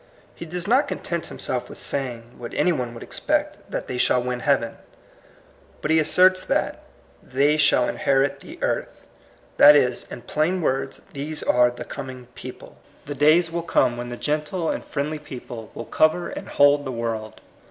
He does not con tent himself with saying, what any one would expect, that they shall win heaven. But he asserts that ^' they shall inherit the earth." That is, in plain words, these are the coming people. The days will come when the gentle and friendly people will cover and hold the world.